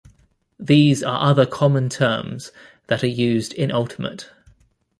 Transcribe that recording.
These are other common terms that are used in Ultimate.